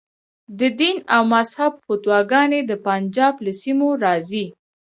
د دین او مذهب فتواګانې د پنجاب له سیمو راځي.